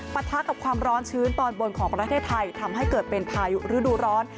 ปะทะกับความร้อนชื้นตอนบนของประเทศไทยทำให้เกิดเป็นพายุฤดูร้อน